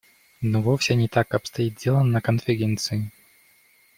Но вовсе не так обстоит дело на Конференции.